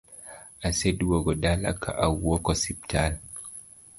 Aseduogo dala ka awuok osiptal